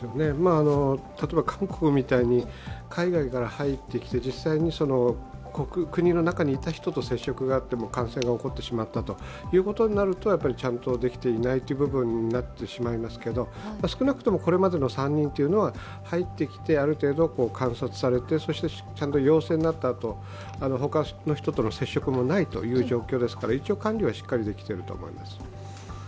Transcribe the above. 例えば韓国みたいに海外から入ってきて、実際に国の中にいた人と接触があって感染が起こってしまったということになると、ちゃんとできていない部分になってしまいますけれども、少なくともこれまでの３人は入ってきて、ある程度観察されて、ちゃんと陽性になったあとほかの人との接触もないという状況ですから一応、管理はしっかりできていると思います。